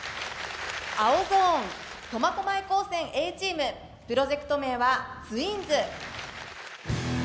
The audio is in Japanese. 青ゾーン苫小牧高専Ａチームプロジェクト名は「ツインズ」。